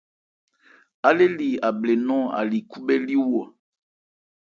Á lê li Abhle nɔn khúbhɛ́liwo.